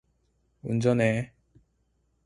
운전해.